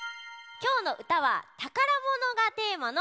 きょうのうたはたからものがテーマのこのきょくだよ。